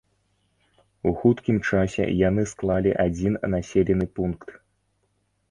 У хуткім часе яны склалі адзін населены пункт.